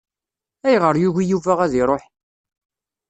Ayɣeṛ yugi Yuba ad iṛuḥ?